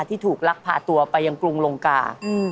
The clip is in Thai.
ที่ถูกลักพาตัวไปยังกรุงลงกา